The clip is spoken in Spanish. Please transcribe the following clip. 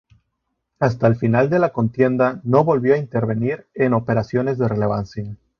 Hasta el final de la contienda no volvió a intervenir en operaciones de relevancia.